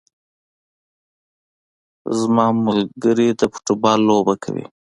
زما ملګري د فوټبال لوبه کوي